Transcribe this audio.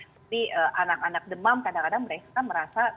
tapi anak anak demam kadang kadang mereka merasa tetap di rumah sakit